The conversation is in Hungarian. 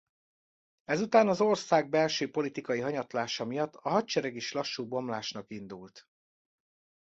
Ezután az ország belső politikai hanyatlása miatt a hadsereg is lassú bomlásnak indult.